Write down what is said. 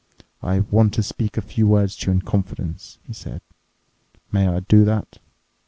"I want to speak a few words to you in confidence," he said. "May I do that?"